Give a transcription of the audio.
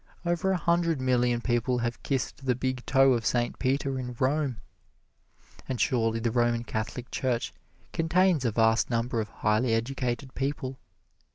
Over a hundred million people have kissed the big toe of Saint Peter in Rome. And surely the Roman Catholic Church contains a vast number of highly educated people.